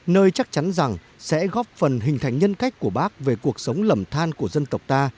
nơi chắc chắn rằng sẽ góp phần hình thành nhân cách của bác về cuộc sống lầm than của dân tộc ta